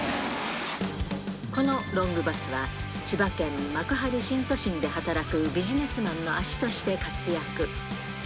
このロングバスは、千葉県幕張新都心で働くビジネスマンの足として活躍。